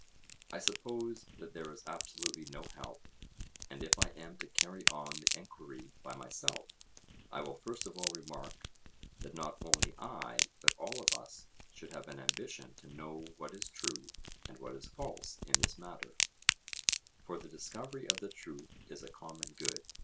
I suppose that there is absolutely no help. And if I am to carry on the enquiry by myself, I will first of all remark that not only I but all of us should have an ambition to know what is true and what is false in this matter, for the discovery of the truth is a common good.